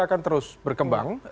akan terus berkembang